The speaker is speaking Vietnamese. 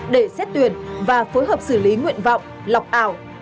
để xét tuyển và phối hợp xử lý nguyện vọng lọc ảo